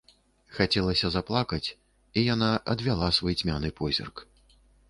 Хацелася заплакаць, і яна адвяла свой цьмяны позірк.